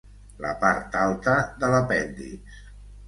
La part alta de l'apèndix.